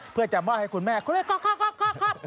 เพื่อจะมอบให้คุณแม่คุณแม่ก๊อกก๊อกก๊อก